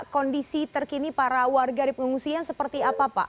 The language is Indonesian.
kondisi terkini para warga di pengungsian seperti apa pak